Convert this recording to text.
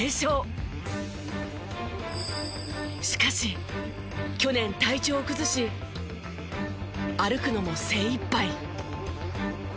しかし去年体調を崩し歩くのも精いっぱい。